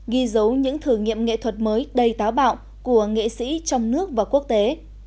ghi dấu những thử nghiệm nghệ thuật mới đầy táo bạo của nghệ sĩ trong nước và quốc tế